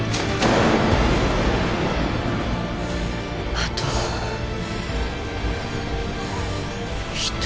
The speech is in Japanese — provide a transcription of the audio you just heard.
あと１人。